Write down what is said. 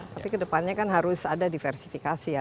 tapi kedepannya kan harus ada diversifikasi ya